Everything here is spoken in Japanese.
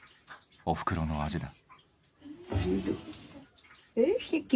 おふくろの味だ。